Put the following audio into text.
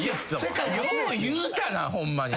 よう言うたなホンマに。